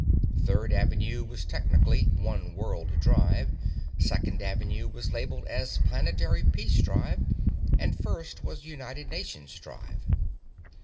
Third Avenue was technically One World Drive. Second Avenue was labelled as Planetary Peace Drive, and First was United Nations Drive.